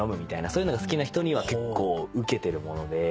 そういうのが好きな人には結構受けてるもので。